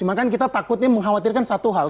cuma kan kita takutnya mengkhawatirkan satu hal